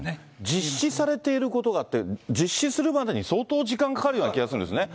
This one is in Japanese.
実施されていることがって、実施するまでに相当時間かかるような気がするんですね。